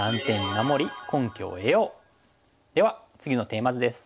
では次のテーマ図です。